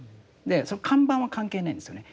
その看板は関係ないんですよね。